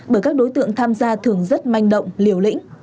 bởi các đối tượng tham gia thường rất manh động liều lĩnh